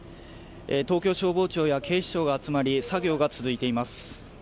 東京消防庁や警視庁が集まり、作業が続いています。